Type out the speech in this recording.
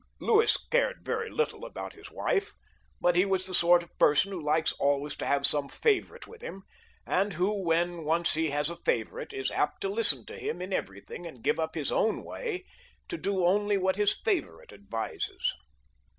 Louis cared very little about his wife ; but he was the sort of person who likes always to have some favourite with him, and who, when once he has a favourite, is apt to listen to him in everything, and give up his own way to do only what his favourite advises.